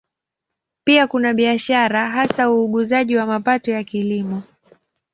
Pia kuna biashara, hasa uuzaji wa mapato ya Kilimo.